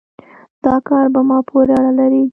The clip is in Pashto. دا کار په ما پورې اړه لري